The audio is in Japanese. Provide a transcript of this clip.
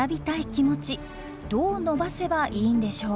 気持ちどう伸ばせばいいんでしょう？